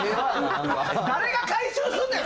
誰が回収すんねん！